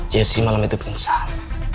jesse malam itu pingsan